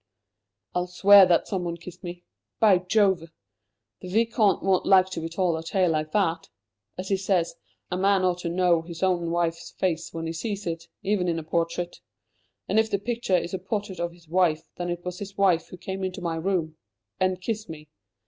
I'll swear that someone kissed me. By Jove! the Vicomte won't like to be told a tale like that! As he says, a man ought to know his own wife's face when he sees it, even in a portrait. And if the picture is a portrait of his wife, then it was his wife who came into my room and kissed me.